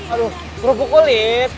aduh kerupuk kulit